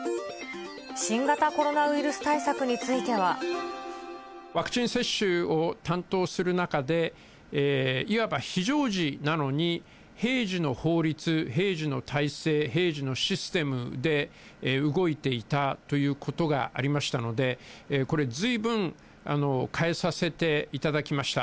新型コロナウイルス対策につワクチン接種を担当する中で、いわば非常時なのに、平時の法律、平時の体制、平時のシステムで動いていたということがありましたので、これ、ずいぶん変えさせていただきました。